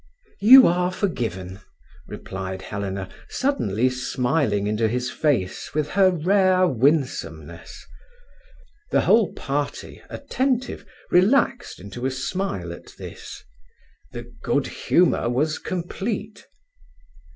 "You are forgiven," replied Helena, suddenly smiling into his face with her rare winsomeness. The whole party, attentive, relaxed into a smile at this. The good humour was complete.